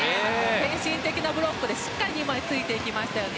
献身的なブロックでしっかり２枚つきましたね。